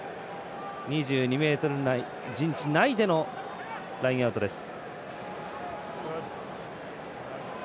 ２２ｍ陣地内でのラインアウトです。